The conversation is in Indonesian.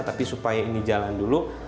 tapi supaya ini jalan dulu